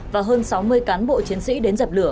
và hơn sáu mươi cán bộ chiến sĩ đến dập lửa